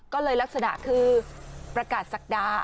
ก็เลยลักษณะคือประกาศศักดา